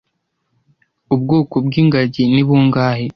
Ubwoko bwingagi ni bungahe